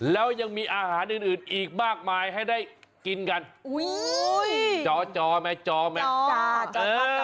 แล้วยังมีอาหารอื่นอื่นอีกมากมายให้ได้กินกันอุ้ยจอจอแม่จอแม่จอจอ